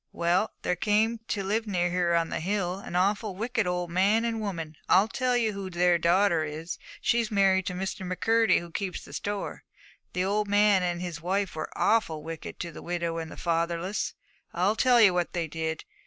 'Well, there came to live near her on the hill an awful wicked old man and woman. I'll tell you who their daughter is: she's married to Mr. M'Curdy, who keeps the store. The old man and his wife were awful wicked to the widow and the fatherless. I'll tell you what they did.